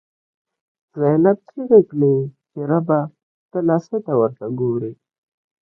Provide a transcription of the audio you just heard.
زینب ” چیغی کړی چی ربه، ته لا څه ته ورته ګوری”